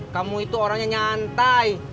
kamu itu orangnya nyantai